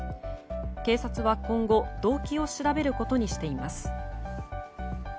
警察は今後動機を調べることにしています。